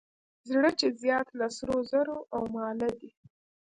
زړه چې زیات له سرو زرو او ماله دی.